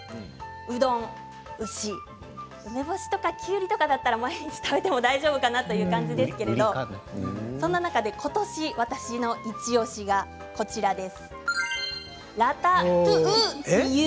うどん、牛梅干しとかきゅうりだったら毎日食べても大丈夫かなという感じですけれどもその中でことし私のイチおしがラタト“う”イユ。